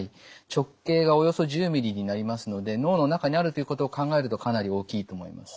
直径がおよそ１０ｍｍになりますので脳の中にあるということを考えるとかなり大きいと思います。